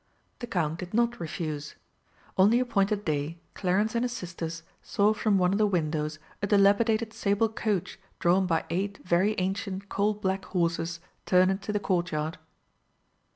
The Count did not refuse. On the appointed day Clarence and his sisters saw from one of the windows a dilapidated sable coach drawn by eight very ancient coal black horses turn into the Courtyard.